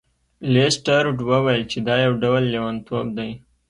لیسټرډ وویل چې دا یو ډول لیونتوب دی.